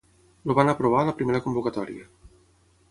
El van aprovar a la primera convocatòria.